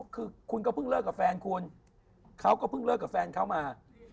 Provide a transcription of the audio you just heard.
คือคุณก็เพิ่งเลิกกับแฟนคุณเขาก็เพิ่งเลิกกับแฟนเขามา